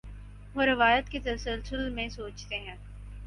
وہ روایت کے تسلسل میں سوچتے ہیں۔